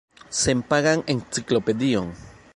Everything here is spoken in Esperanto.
Senpagan enciklopedion.